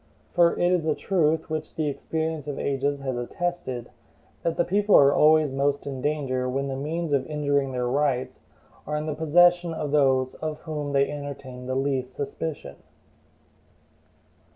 For it is a truth, which the experience of ages has attested, that the people are always most in danger when the means of injuring their rights are in the possession of those of whom they entertain the least suspicion.